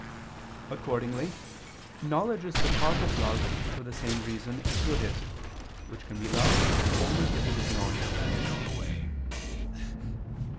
Accordingly knowledge is the cause of love for the same reason as good is, which can be loved only if known.